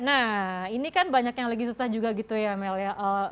nah ini kan banyak yang lagi susah juga gitu ya amel ya